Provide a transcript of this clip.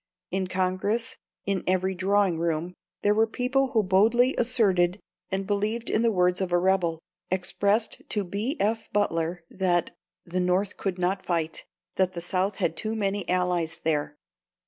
In Congress, in every drawing room, there were people who boldly asserted and believed in the words of a rebel, expressed to B. F. Butler that "the North could not fight; that the South had too many allies there."